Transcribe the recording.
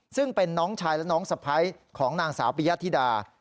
ซึ่งเป็นน้องชายและน้องสะพ้ายของนางสาวปิยธิดา